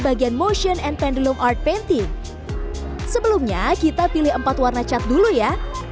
bagian motion and pendulum art painty sebelumnya kita pilih empat warna cat dulu ya